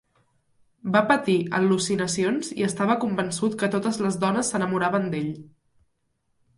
Va patir al·lucinacions i estava convençut que totes les dones s'enamoraven d'ell.